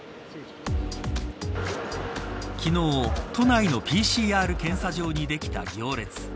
昨日、都内のＰＣＲ検査場にできた行列。